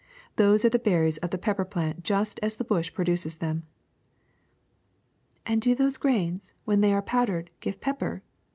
Those are the berries of the pepper plant just as the bush produces them.'' *^And do those grains, when they Branch of PeppT ^rc powdcrcd, givc pepper?''